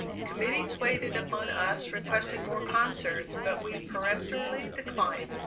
Committees waited upon us requesting more concerts, but we peremptorily declined.